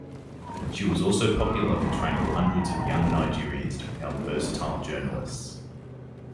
She was also popular for training hundreds of young Nigerians to become versatile journalists.